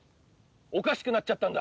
おかしくなっちゃったんだ。